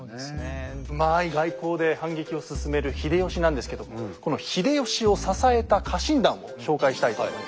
うまい外交で反撃を進める秀吉なんですけどもこの秀吉を支えた家臣団を紹介したいと思います。